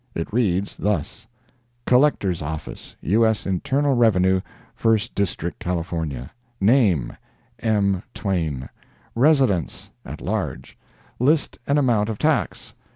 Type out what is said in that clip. It reads thus: "COLLECTOR'S OFFICE, U. S. INTERNAL REVENUE, FIRST DIS'T. CAL. Name—M. Twain Residence—At Large List and amount of tax—$31.